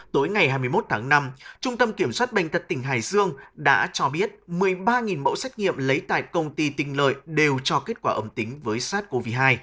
tối ngày hai mươi một tháng năm trung tâm kiểm soát bệnh tật tỉnh hải dương đã cho biết một mươi ba mẫu xét nghiệm lấy tại công ty tinh lợi đều cho kết quả âm tính với sars cov hai